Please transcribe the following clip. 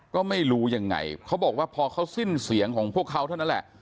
ก็ไม่รู้ยังไงเขาบอกว่าพอเขาสิ้นเสียงของพวกเขาเท่านั้นแหละ